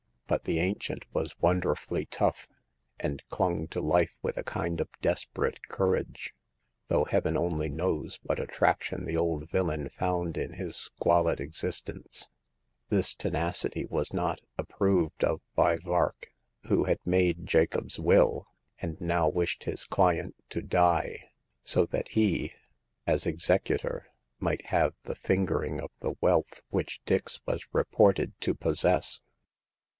But the ancient was wonderfully tough, and clung to life with a kind of desperate courage— though Heaven only knows what attraction the old villain found in 12 Hagar of the Pawn Shop. his squalid existence. This tenacity was not ap proved of by Vark, who had made Jacob's will, and now wished his client to die, so that he, as executor, might have the fingering of the wealth which Dix was reported to possess.